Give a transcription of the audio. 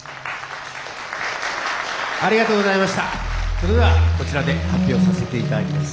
それではこちらで発表させていただきます。